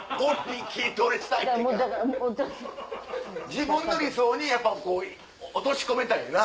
自分の理想にやっぱこう落とし込めたいねんな。